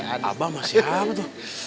apa mah siapa tuh